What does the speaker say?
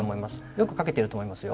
よく書けてると思いますよ。